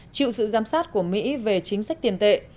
chịu sự giám sát của mỹ về chính sách tiền tệ